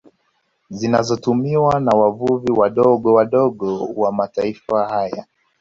Zinazotumiwa na wavuvi wadogo wadogo wa mataifa haya